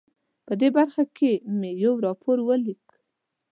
په دې برخه کې مې یو راپور ولیک.